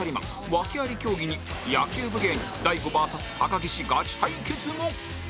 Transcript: ワケあり競技に野球部芸人大悟 ＶＳ 高岸ガチ対決も